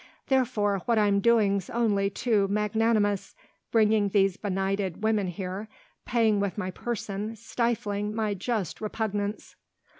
Therefore what I'm doing's only too magnanimous bringing these benighted women here, paying with my person, stifling my just repugnance."